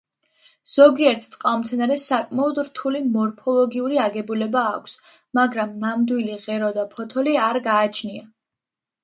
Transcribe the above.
ზოგიერთ წყალმცენარეს საკმაოდ რთული მორფოლოგიური აგებულება აქვს, მაგრამ ნამდვილი ღერო და ფოთოლი არ გააჩნია.